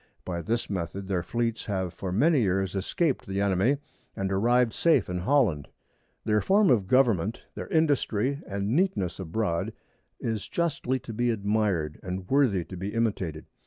By this Method their Fleets have for many Years escaped the Enemy, and arrived safe in Holland. Their Form of Government, their Industry and Neatness abroad, is justly to be admired, and worthy to be imitated.